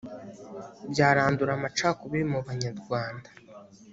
byarandura amacakubiri mu banyarwanda